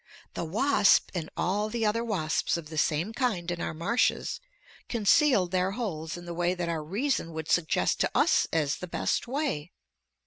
The wasp, and all the other wasps of the same kind in our marshes, concealed their holes in the way that our reason would suggest to us as the best way.